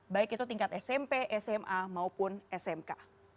baik itu tingkat smp sma maupun smk